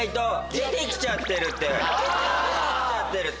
出て来ちゃってるって。